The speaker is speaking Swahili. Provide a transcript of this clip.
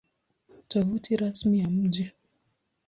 Tovuti Rasmi ya Mji